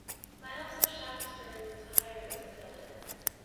Miles of Shaftesbury was hired as the builder.